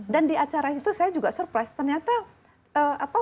dan di acara itu saya juga surprise ternyata